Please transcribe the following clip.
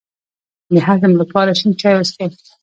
د هضم لپاره شین چای وڅښئ